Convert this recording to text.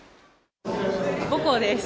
母校です。